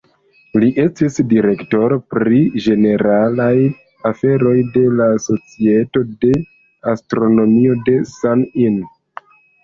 Li estis direktoro pri ĝeneralaj aferoj de la Societo de Astronomio de San-In.